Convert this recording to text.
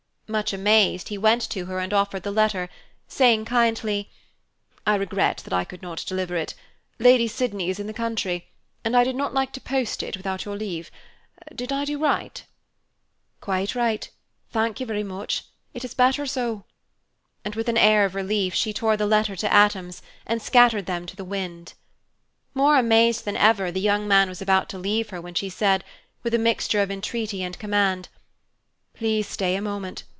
Much amazed, he went to her and offered the letter, saying kindly, "I regret that I could not deliver it. Lady Sydney is in the country, and I did not like to post it without your leave. Did I do right?" "Quite right, thank you very much it is better so." And with an air of relief, she tore the letter to atoms, and scattered them to the wind. More amazed than ever, the young man was about to leave her when she said, with a mixture of entreaty and command, "Please stay a moment.